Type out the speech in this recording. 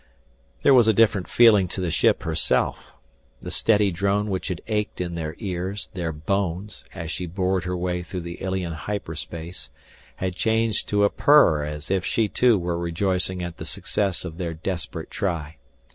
There was a different feeling to the ship herself. The steady drone which had ached in their ears, their bones, as she bored her way through the alien hyper space had changed to a purr as if she, too, were rejoicing at the success of their desperate try.